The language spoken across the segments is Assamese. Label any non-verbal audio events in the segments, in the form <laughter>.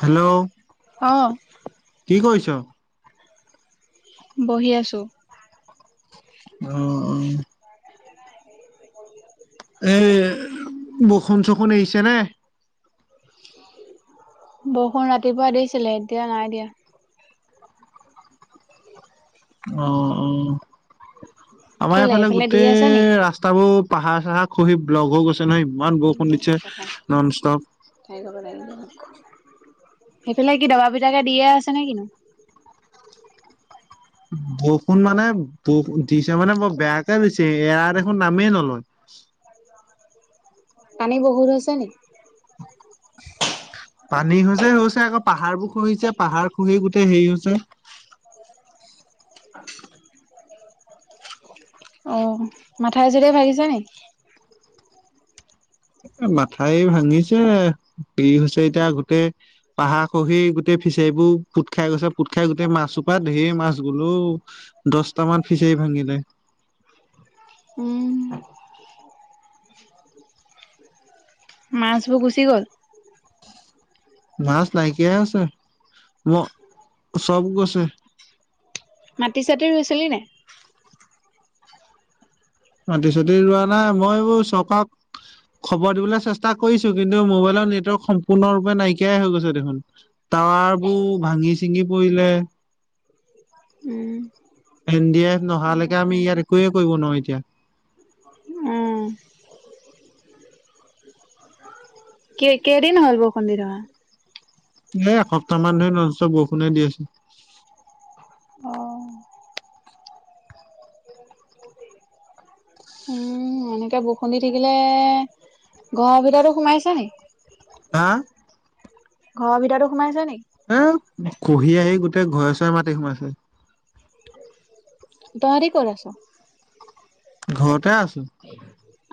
হেল্ল' অ', কি কৰিছ? বহি আছোঁ। অ অ। <inaudible> এই বখন চখন এৰিছে নে? বখণ ৰাতিপুৱা দিছিলে, এতিয়া নাই দিয়া। অ অ। আমাৰ কেলে এইফালে সেইফালে দি গোটেই আছে নি? ৰাস্তাবোৰ পাহাৰ চাহাৰ খহি ব্লক হৈ গৈছে নহয় ইমান বৰষুণ দিছে কথা নন ষ্টপ। <inaudible> সেইফালে কি দবা পিটাকে দিয়ে আছে নে কিনো? বৰষুণ মানে ব দিছে মানে বৰ বেয়াকে দিছে, এৰা দেখোন নামেই নলয়। পানী বহুত হৈছে নেকি? পানী হৈছে হৈছে, আকৌ পাহাৰবোৰ খহিছে পাহাৰ খহি গোটেই হেৰি হৈছে। অঁ মাথাই সাথাই ভাঙিছে নেকি? এ মাথাই ভাঙিছে, হেৰী হৈছে এতিয়া গোটেই পাহাৰ খহি গোটেই ফিচাৰীবোৰ পুট খাই গৈছে পুট খাই গোটেই মাছহোপা ধেৰি মাছ গল ঔ। দছটা মান ফিচাৰী ভাঙিলে। উম। মাছবোৰ গুচি গ'ল? মাছ নাইকিয়া হৈছে, ম সব গৈছে। মাটি চাটি ৰুইছিলি নাই? মাটি চটি ৰোৱা নাই, মই এইবোৰ চকাক খবৰ দিবলে চেষ্টা কৰিছো, কিন্তু মোবাইলৰ নেটৱৰ্ক সম্পূৰ্ণৰূপে নাইকিয়াই হৈ গৈছে দেখোন। টাৱাৰ বোৰ ভাঙি চিঙি পৰিলে। উম। এন ডি আই এফ নহালেকে আমি ইয়াত একোৱে কৰিব নোৱাৰো এতিয়া। উম, কে কেইদিন হল বৰষূণ দি থকা? এ এসপ্তাহ মান ধৰি নন ষ্টপ বৰষুণে দি আছে। অঁ। এ এনেকে বৰষূণ দি থাকিলে, ঘৰৰ ভিতৰতো সোমাইছে নেকি? হা ঘৰৰ ভিতৰটো সোমাইছে নেকি? এ খহি আহি গোটেই ঘৰে চৰে মাটি সোমাইছে। তহঁতি ক'ত আছ? ঘৰতে আছোঁ।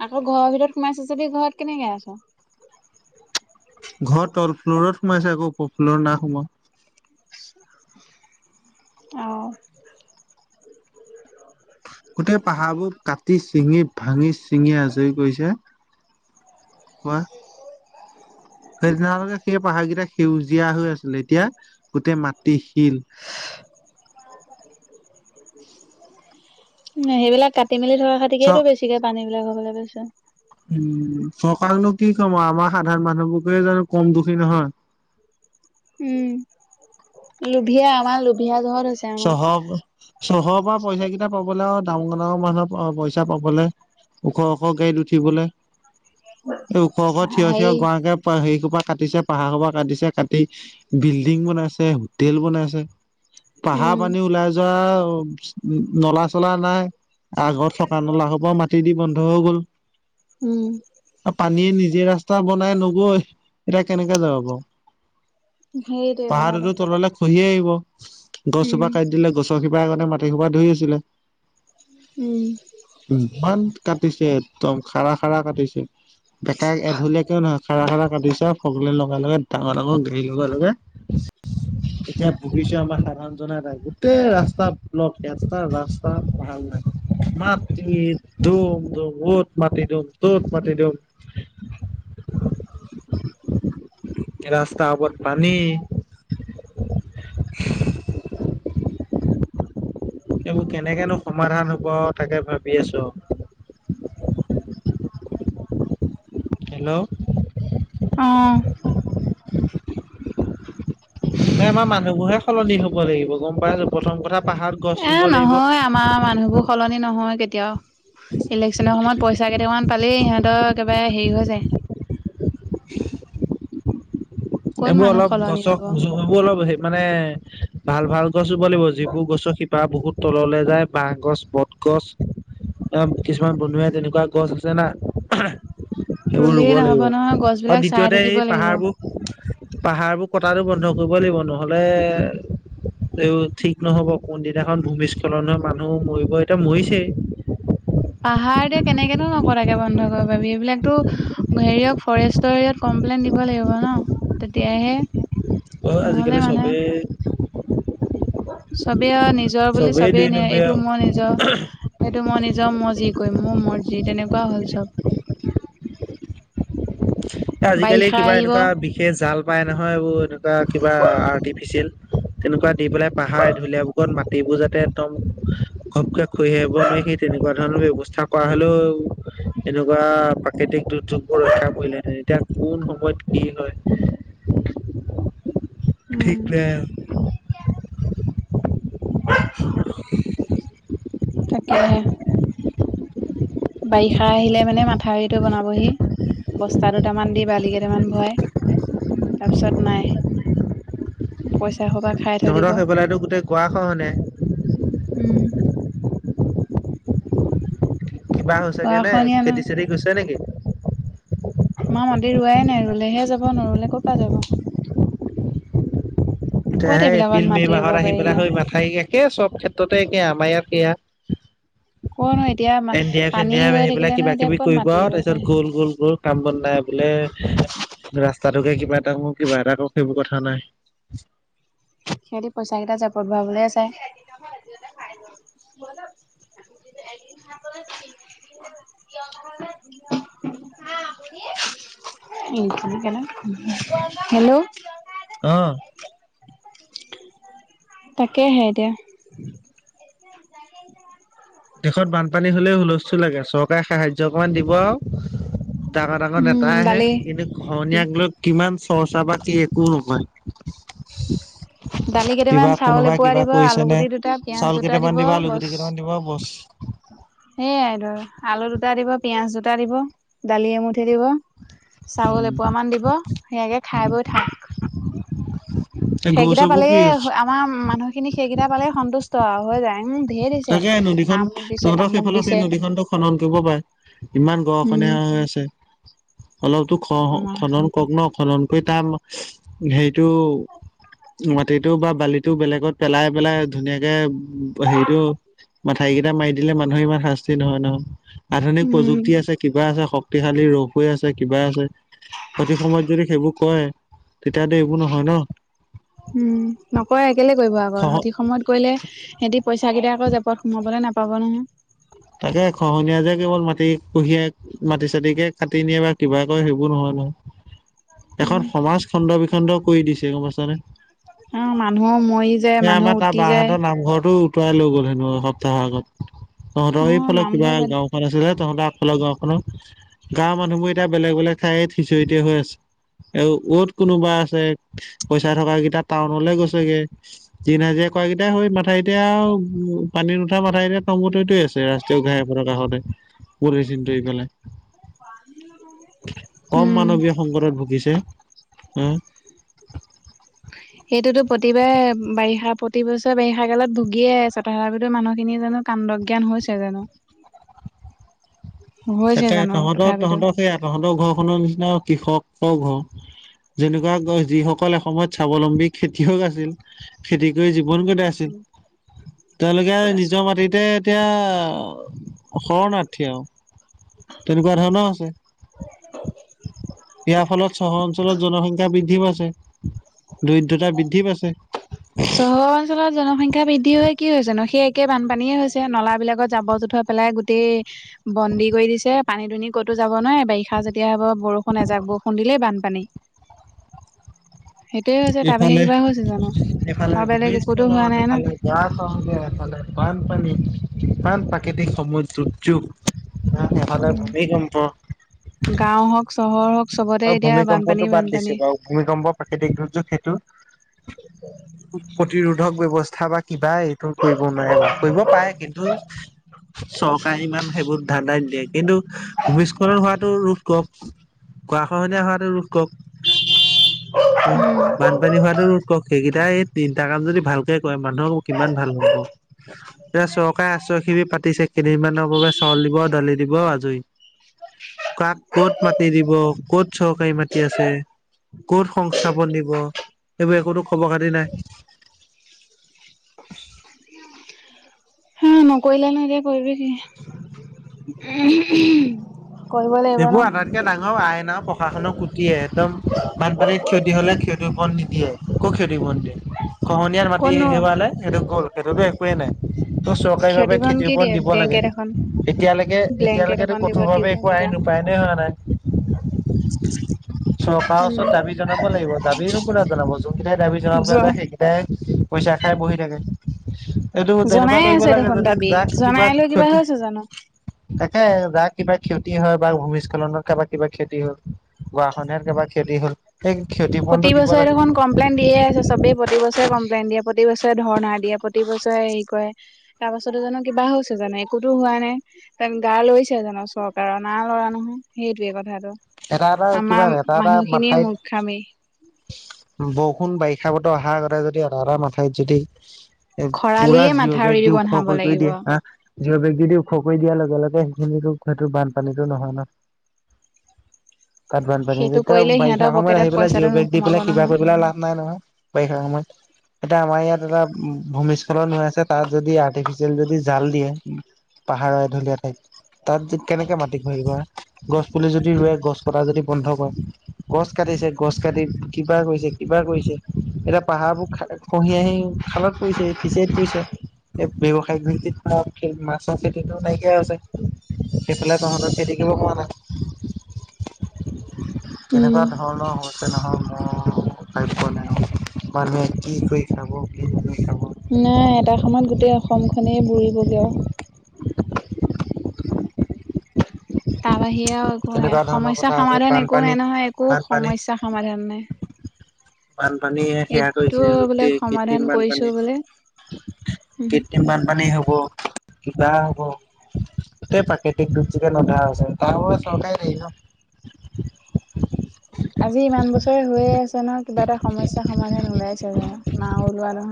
আকৌ ঘৰৰ ভিতৰত সোমাইছে যদি ঘৰত কেনেকে আছ? ঘৰত তল ফ্ল'ৰত সোমাইছে আকৌ উপ ফ্লৰত না সোমোৱা। <inaudible> অ। গোটেই পাহাবোৰ কাটি চিঙি ভাঙি চিঙি আজৰি কৰিছে, কোৱা। সেই দিনা লৈকে সেই পাহাৰ কেইটা সেউজীয়া হৈ আছিলে, এতিয়া গোটেই মাটি শিল। উ সেইবিলাক কাটি মেলি থকা চ খতিকেইতো বেছিকে পানী বিলাক হ'বলে পাইছে। উম চৰকাৰক কি কম আও, আমাৰ সাধাৰণ মানুহবোৰকে জানো কম দুখী নহয়। উম। লোভিয়া আমাৰ লোভিয়া জহত চহাৱ। চহৰৰ পৰা পইচা কেইটা পাবলৈ আৰু ডাঙৰ - ডাঙৰ মানুহৰ পইচা পাবলৈ। ওখ - ওখ গাড়ীত উঠিবলৈ। এই ওখৰক আমাৰ থিয়ৰ - থিয়ৰ হেৰি গৰাকাকে হেৰি খোপা কাটিছে। পাহাৰ হোপা কাটিছে, কাটি বিল্ডিং বনাইছে হোটেল বনাইছে। পাহাৰ উম, পানী ওলাই যোৱা নলা- চলা নাই। আগত থকা নলা হোপা মাটি দি বন্ধ হৈ গ'ল। উম। পানীয়ে নিজে ৰাস্তা বনাই নগই এতিয়া কেনেকে যাব বাৰু। সেইটোৱে কথাটো পাহাৰোটো তললৈ খহি আহিব। গছজোপা উম, কাটি দিলে, গছৰ শিপাই আগতে মাটি হোপা ধৰি আছিলে। উম' ইমান কাটিছে, একদম খাৰা- খাৰা কাটিছে বেকা এধুলিয়া কৈও নহয় খাৰা - খাৰা কাটিছ। সকলে লগাই - লগাই ডাঙৰ - ডাঙৰ ঘেৰী লগাই লগাই। এতিয়া ভুগিছে আমাৰ সাধাৰণ হয়' নহয়। গোটেই ৰাস্তা ব্লক এটা ৰাস্তা ভাল নাই। মাটি দম - দম অত মাটি দুম ত'ত মাটি দুম <inaudible> ৰাস্তা ওপৰত পানী, এইবোৰ কেনেকেনো সমাধান হ'ব তাকে ভাবি আছোঁ আৰু, হেল্ল' অহ', নাই আমাৰ মানুহবোৰহে সলনি হ'ব লাগিব গম পাই যাব। এ' নহয় আমাৰ মানুহবোৰ সলনি নহয় কেতিয়াও। ইলেকশনৰ সময়ত পইচা কেইটামান পালেই সিহঁতৰ একবাৰে হেৰি হৈ যায়। ক'ত এইবোৰ মানুহ অলপ সলনি গছক হ'ব বুজাক। সেই বোৰ অলপ হেৰি মানে ভাল- ভাল গছ ৰুব লাগিব। যিবোৰ গছৰ শিপা বহুত তললৈ যায় বাঁহ গছ, বত গছ অ' কিছুমান বনৰীয়া তেনেকুৱা গছ আছে না। সেইবোৰ ৰুব ৰুলেই নহ'ব লাগিব নহয় আৰু গছবিলাক চাই দ্বিতীয়তে থাকিব এই লাগিব। পাহাৰবোৰ পাহাৰবোৰ কটাটো বন্ধ কৰিব লাগিব নহ'লে এই বোৰ ঠিক নহ'ব কোনদিনাখন ভূমিস্খলন হয় মানুহ মৰিব। এতিয়া মৰিছেই, পাহাৰ এতিয়া কেনেকেনো নকটাকে বন্ধ কৰিব পাৰিবি এইবিলাকটো হেৰিয়ক ফৰেষ্টৰে কমপ্লেইন দিব লাগিব ন? তেতিয়াহে হয়', নহ'লে আজিকালি মানুহে চবেই চবেই আৰু নিজৰ বুলি দুই চবেই নেৰে, নম্বৰীয়া এইটো মই নিজৰ সেইটো মই নিজৰ মই যি কৰিম মোৰ মৰজি তেনেকুৱা হ'ল চব। আজিকালি বাৰিষা কিবা আহিব এনেকুৱা বিশেষ জাল পায় নহয়। এইবোৰ এনেকুৱা কিবা আৰ্টিফিচিয়েল তেনেকুৱা দি পেলাই পাহাৰ ঢুলীয়াবোৰত মাটিবোৰ যাতে, একদম ঘপকে খৰি আহিব নোৱাৰি। সেই তেনেকুৱা ধৰণৰ ব্যৱস্থা কৰা হ'লেও এনেকুৱা প্ৰাকৃতিক দুৰ্যোগ বোৰ ৰক্ষা পৰিলে হয়। এতিয়া কোন সময়ত কি হয়। ঠিক, ঠিক উম নাই আৰু তাকেহে, বাৰিষা আহিলে মানে মাথাউৰিটো বনাবহি। বস্তা দুটামান দি বালিৰে, কেইটামান ভৰাই, তাৰপিছত নাই, পইচা সোপা খাই থৈ দিব তহঁতৰ সেইফালেটো গোটেই গুড়াখৰনেই। উম' কিবা হৈছেগে নে? গৰাখনীয়া ন খেতি -চেতি হৈছে নেকি? আমাৰ মাটি ৰোৱাই নাই ৰুলেহে যাব নৰুলে ক'ৰ পৰা যাব। ক'ত তেতিয়াহে এইবিলাকত এপ্ৰিল মে' মাটি ৰুব মাহত আহি পাৰি পেলাই এতিয়া হৈ মাথাউৰি একে চব ক্ষেত্ৰতে একে। আমাৰ ইয়াত সেয়া। ক'তনো এতিয়া এনডি এফ পানী চেণ্ডি এফ হৈ এই বিলাক থাকিলে কিবা নহয় এতিয়া কিবি ক'ত কৰিব মাটি আৰু ৰুব তাৰপিছত পাৰি গ'ল গ'ল গ'ল কাম বন নাই বোলে ৰাস্তাটোকে কিবা এটা কৰোঁ কিবা এটা কৰোঁ সেইবোৰ কথা নাই। সিহঁতি পইচাকেইটা জেপত ভৰাবলেহে চাই <inaudible> <inaudible> হেল্ল' অ', তাকেহে এতিয়া, দেশত বানপানী হ'লে হুলস্থুল লাগে। চৰকাৰে সাহায্য অকমান দিব আৰু ডাঙৰ ডাঙৰ উম নেতাই আহে দালি কিন্তু ঘহনীয়াক লৈ কিমান চৰ্চা বা কি একো নহয় দালি কেইটামান কিবা চাউল কোনোবা এপোৱা কিবা দিব কৰিছে আলু নে গুটি দুটা পিয়াজ চাউল দুটা কেইটামান দিব দিবা আলু বছ গুটি কেইটামান দিবা বছ সেইয়াই ধৰ আলু দুটা দিব পিঁয়াজ দুোটা দিব দালি এমুঠি দিব চাউল উম এপোৱামান দিব বেয়াকে খাই উম বৈ থাক এই গৰু সেইকেইটা চৰবোৰ পালেে কি আমাৰ মানুহখিনিক সেইকেইটা পালে সন্তুষ্ট আৰু হৈ যায় উম ঢেৰ দিছে। তাকে নদীখন আমুক দিছে তহঁতৰ তামুক সেইফালে সেই দিছে নদীখনতো খনন কৰিব পাৰে ইমান গৰা উম খহনীয়া হৈ আছে অলপতো খ আমাৰ খনন কগ্ন খনন কৰি তাৰ হেৰিটো মাটিটো বা বালিটো বেলেগত পেলাই পেলাই ধুনীয়াকে হেৰিটো মাঠাই কেইটা মাৰি দিলে মানুহৰ ইমান শাস্তি নহয় নহয় আধুনিক উম প্ৰযুক্তি আছে কিবা আছে শক্তিশালী ৰস হৈ আছে কিবা আছে সঠিক সময়ত যদি সেইবোৰ কয় তেতিয়াতো এইবোৰ নহয় ন উম নকৰে কেলে কৰিব আকৌ খহ সঠিক সময়ত কৰিলে সিহঁতি পইচাকেইটা আকৌ জেপত সোমাবলৈ নাপাব নহয় তাকে খহনীয়া যে কেৱল মাটি কহিয়াই মাটি চাটিকে কাটি নিয়ে বা কিবা কয় সেইবোৰ নহয় নহয় এখন উম সমাজ খণ্ড বিখণ্ড কৰি দিছে গম পাইছানে অ মানুহো মৰি যায় এই আমাৰ মানুহ তাৰ উটি যায় বাহঁতৰ নামঘৰটো উতুৱাই লৈ গ'ল হেও এসপ্তাহৰ আগত অ তহঁতৰ এইফালে কিবা নামঘৰ বাদ গাওখন আছিলে তহঁতৰ আগফালৰ গাওখননৰ গাঁৱৰ মানুহবোৰ এতিয়া বেলেগ বেলেগ ঠাইত সিঁচৰিত হৈ আছে। এ ত কোনোবা আছে পইচা থকা কেইটা টাউনলে গৈছেগে দিন হাজিৰা ক কেইটাই হৈ মাথা কতিয়া পানী নুঠা মাথা এতিয়া তম্বুটৰিটোৱে আছে ৰাষ্ট্ৰীয় ঘাই পথৰ খাখতে <unintelligible> কম উম মানৱীয় সংকটত ভুগিছে হ সেইটোতো প্ৰতিবাৰে বাৰিষা প্ৰতি বছৰে বাৰিষা কালত ভুগিয়ে আছে তথাবিতো মানুহখিনি জানো কাণ্ড জ্ঞান হৈছে জানো হৈছে তাতে জানো তহঁতৰ তথাপিতো তহঁতৰ সেইয়া তহঁতৰ ঘৰখনৰ নিচিনা কৃষকৰ ঘৰ যেনেকুৱা গছ যিসকল এসমত স্বাৱলম্বী খেতিয়ক আছিল খেতি কৰি জীৱন গ আছিল তেওঁলোকে নিজৰ মাটিতে এতিয়া শৰণাৰ্থী আৰু। তেনেকুৱা ধৰণও আছে। ইয়াৰ ফলত চহৰ অঞ্চলত জনসংখ্যা বৃদ্ধি পাইছে। দৰিদ্ৰতাৰ বৃদ্ধি পাইছে। চহৰৰ অঞ্চলত জনসংখ্যা বৃদ্ধি হৈ কি হৈছেনো, সেই একে বানপানীয়ে হৈছে, নলাবিলাকত জাবৰ-জোঁথৰ পেলাই গোটেই বন্দী কৰি দিছে, পানী দুনি ক'তো যাব নোৱাৰে, বাৰিষা যেতিয়া হ'ব, বৰষুণ এজাক বৰষুণ দিলেই বানপানী। <inaudible> সেইটোৱে হৈছে, তাৰ বাহিৰে কিবা হৈছে জানোঁ। মানুহে ভাৱে ভূমিস্খলন এফালে। ইয়াৰ সহতে এফালে বানপানী, ইমান প্ৰাকৃতিক সময়ত দুৰ্যোগ। ইমান এফালে ভূমিকম্প। গাওঁ হওঁক, চহৰ হওঁক, চবতে অ এতিয়া ভূমিকম্পটো বানপানীয়ে বাদ দিছো বানপানী। বাৰু ভূমিকম্প প্ৰাকৃতিক দুৰ্যোগ সেইটো, প্ৰতিৰোধক ব্যৱস্থা বা কিবা এইটো কৰিব নোৱাৰে বাৰু, কৰিব পাৰে কিন্তু চৰকাৰে ইমান সেইবোৰ ধান্দায়ে নিদিয়ে, কিন্তু ভূমিস্খলন হোৱামৱটো ৰোধ কৰক। গৰা খহনীয়া হোৱাটো ৰোধ কৰক। উম্, উম বানপানী হোৱাটো উৎস সেইকেইটাই তিনিটা কাম যদি ভালকৈ কৰে, মানুহে আৰু কিমান ভাল পাব ক! এতিয়া চৰকাৰে আশ্ৰয় শিবিৰ পাতিছে, কেইদিনমানৰ বাবে চাউল দিব, দালি দিব আজৰি। কাক ক'ত মাতি দিব, ক'ত চৰকাৰী মাতি আছে ক'ত সংস্থাপন দিব, সেইবোৰ একোটো খবৰ খাতি নাই। উম্, নকৰিলেনো এতিয়া কৰিবি কি? কৰিব লাগিব ন এইবোৰ আটাইতকে ডাঙৰ আইন আৰু প্ৰশাসনক কুটিয়ে একদম বানপানীত ক্ষতি হ'লে ক্ষতিপূৰণ নিদিয়ে, একো ক্ষতিপূৰণ নিদিয়ে। ঘহনীয়াৰ মাটি কতনো হেৰুৱালে সেইটো গ'ল, সেইটো টো একো একোয়ে নাই, চৰকাৰী ভাৱে ক্ষতিপূৰণ খেতি কি দিয়ে ওপৰত দিব লাগে। বেংকেট এখন এতিয়ালৈকে ব্লেংকেট এতিয়ালৈকেটো এখন দিব কঠোৰ ভাৱে টিউপাল একো আইন এটা ৰূপায়ণে হোৱা নাই। চৰকাৰৰ ওচৰত দাবী জনাব লাগিব, দাবীনো কোনে জনাব। যোন কেইটাই দাবী জনাব জ্বৰ যায়, সেইকেইটাই তাই পইচা খাই বহি থাকে। এইটো তেনেকুৱা জনাই কৰিব আছে লাগে, দেখোন যাতে দাবী তাক কিবা জনাই লৈ ক্ষতি হৈছে জানো তাকে কিবা ক্ষতি হয় বা ভূমিস্খলনত কাৰোবাৰ কিবা ক্ষতি হ'ল, গৰাখহনীয়াত কাৰোবাৰ কিবা ক্ষতি হ'ল। সেই প্ৰতি ক্ষতিপূৰণটো দিব বছৰে লাগিব। দেখোন কমপ্লেইন দিয়ে আছে, চবেই প্ৰতি বছৰে কমপ্লেইন দিয়ে। প্ৰতি বছৰে ধৰ্ণা দিয়ে, প্ৰতি বছৰে হেৰি কৰে তাৰ পাছতো জানোঁ কিবা হৈছে জানোঁ, একোটো হোৱা নাই। গা লৰিছে জানোঁ চৰকাৰৰ, নাই লৰা নহয়, সেইটোৱে কথাটো। এটা এটা কিমান আমাৰ এটা এটা মানুহখিনিয়ে মাথাইত মূৰ্খামি। বৰষুণ, বাৰিষা বতৰ অহাৰ আগতে যদি, আধা আধা মাথাউৰিত যদি পুৰা খৰালিয়ে জিঅ' মাথা উৰি বেগ দি দিব ওখ বন্ধাব কৰি কৰি লাগিব দিয়ে হা জিঅ', বেগ দি দি ওখ কৰি দিয়াৰ লগে লগে সেইখিনিতটো, সেইটো বানপানীতো নহয় ন। তাত বানপানী সেইটো তেতিয়া, কৰিলে সিহঁতৰ বাৰিষা সময়ত পকেটত আহি পেলাই পইচাটো জিঅ', বেগ দি নোসোমাব পেলাই কিবা নহয় কৰিব লাভ নাই নহয়, বাৰিষা সময়ত। এতিয়া আমাৰ ইয়াত এটা ভূমিস্খলন হৈ আছে, তাত যদি আৰ্টিফিচিয়েল যদি জাল দিয়ে পাহাৰৰ এঢলীয়া ঠাইত, তাত যে কেনেকৈ মাটি খহিব হা গছ পুলি যদি ৰুৱে গছ কটা যদি বন্ধ কৰে গছ কাটিছে গছ কাটি কিবা কৰিছে কিবা কৰিছে এতিয়া পাহাৰবোৰ খ খহি আহি খালত পৰিছে ফিচাইত পৰিছে। এই ব্যৱসায়িক ভিত্তিত মাছৰ খেতিতটো নাইকিয়া আ হৈছে। সেইফালে তহঁতৰ খেতি কৰিব পোৱা নাই। উম তেনেকুৱা ধৰণৰ হৈছে নহয়। অ ভাবি পোৱা নাই মানুহে কি কৰি খাব কি নকৈ খাব নাই এটা সময়ত গোটেই অসম খনে বুৰিব গে আও। তাৰ বাহিৰে আৰু একো নাই তেনেকুৱা ধৰণৰ সমস্যা কথা আছে সমাধান একো বানপানী নাই নহয় একো বানপানী সমস্যা সমাধান নাই। বানপানীয়ে সেয়া এইটো কৰিছে বোলে গোটেই সমাধান কৃত্ৰিম কৰিছো বানপানী। বোলে কৃত্ৰিম বানপানী হ'ব। কিবা হ'ব গোটেই ই প্ৰাকৃতিক দুৰ্যোগে নধৰা হৈছে তাৰ বাবে চৰকাৰ দায়ী ন। আজি ইমান বছৰে হৈয়ে আছে নহ কিবা এটা সমস্যা সমাধান ওলাইছে জনো নাই ওলোৱা নহয়।